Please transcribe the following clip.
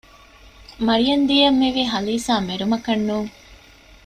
މަރިޔަންދީ އަށް މިވީ ހަލީސާ މެރުމަކަށް ނޫން